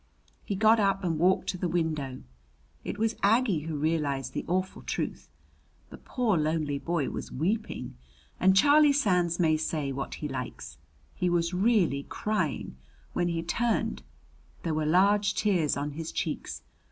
He got up and walked to the window. It was Aggie who realized the awful truth. The poor lonely boy was weeping and Charlie Sands may say what he likes! He was really crying when he turned, there were large tears on his cheeks.